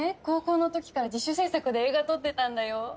高校の時から自主制作で映画撮ってたんだよ